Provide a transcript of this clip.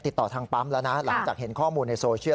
ติดต่อทางปั๊มแล้วนะหลังจากเห็นข้อมูลในโซเชียล